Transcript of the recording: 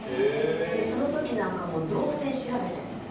その時なんか動線、調べて。